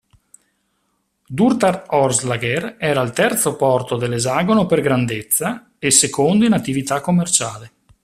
Durtar Oslager era il terzo porto dell'esagono per grandezza e secondo in attività commerciale.